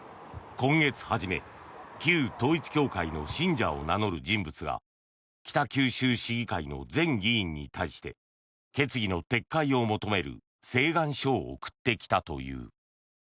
今月初め旧統一教会の信者を名乗る人物が北九州市議会の全議員に対して決議の撤回を求める請願書を送ってきたという。